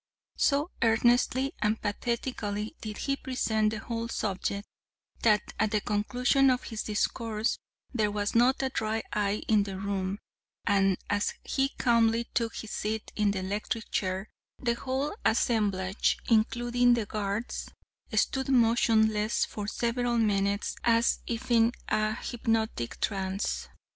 "So earnestly and pathetically did he present the whole subject, that at the conclusion of his discourse there was not a dry eye in the room, and as he calmly took his seat in the electric chair, the whole assemblage, including the guards, stood motionless for several moments as if in a hypnotic trance.